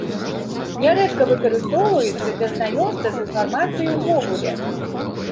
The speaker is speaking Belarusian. Нярэдка выкарыстоўваецца для знаёмства з інфармацыяй увогуле.